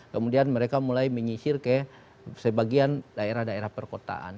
kemudian mereka mulai menyisir ke sebagian daerah daerah perkotaan